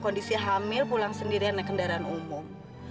kondisi hamil pulang sendirian naik kendaraan umum